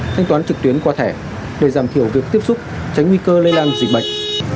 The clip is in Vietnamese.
thanh toán trực tuyến qua thẻ để giảm thiểu việc tiếp xúc tránh nguy cơ lây lan dịch bệnh